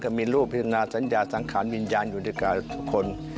ก็มีรูปพิธีนาสัญญาสังขารวิญญาณอยู่ในกาลทุกคน